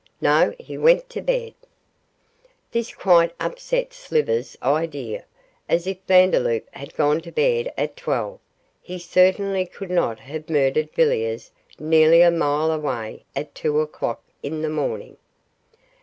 'No, he went to bed.' This quite upset Slivers' idea as if Vandeloup had gone to bed at twelve, he certainly could not have murdered Villiers nearly a mile away at two o'clock in the morning.